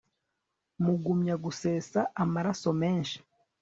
mugumya gusesa amaraso menshi